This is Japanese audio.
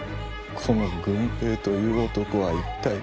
この「郡平」という男は一体。